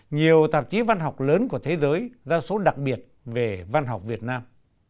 nhiều tạp chí văn học lớn của thế giới đa số đặc biệt về văn học việt nam